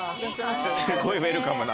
すごいウエルカムな。